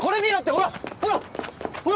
ほら！